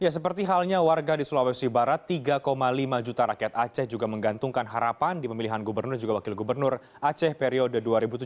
seperti halnya warga di sulawesi barat tiga lima juta rakyat aceh juga menggantungkan harapan di pemilihan gubernur dan juga wakil gubernur aceh periode dua ribu tujuh belas dua ribu dua